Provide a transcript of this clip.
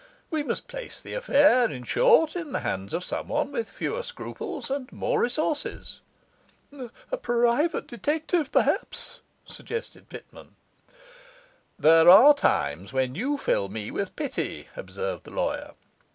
We must place the affair, in short, in the hands of some one with fewer scruples and more resources.' 'A private detective, perhaps?' suggested Pitman. 'There are times when you fill me with pity,' observed the lawyer.